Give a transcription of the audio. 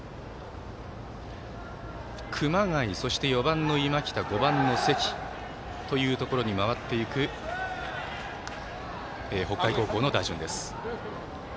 熊谷、そして４番の今北５番の関というところに回っていく北海高校の打順です。